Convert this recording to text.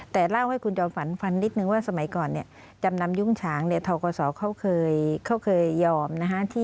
แต่เล่าให้คุณจอมฝันฟันนิดนึงว่าสมัยก่อนเนี่ยจำนำยุ้งฉางเนี่ยทกศเขาเคยยอมนะฮะ